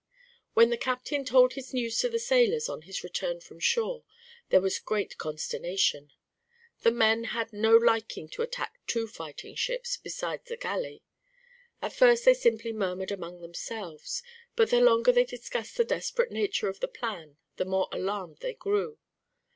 When the captain told his news to the sailors on his return from shore, there was great consternation. The men had no liking to attack two fighting ships besides the galley. At first they simply murmured among themselves, but the longer they discussed the desperate nature of the plan the more alarmed they grew.